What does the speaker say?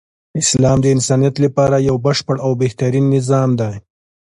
اسلام د انسانیت لپاره یو بشپړ او بهترین نظام دی .